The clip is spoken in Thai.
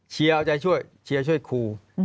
เชียวช่วยครู